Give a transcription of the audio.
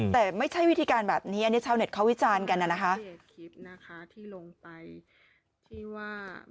แต่ไม่ใช่วิธีการแบบนี้ชาวเน็ตเขาวิจารณ์กันนะ